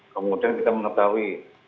kemudian kita mengetahui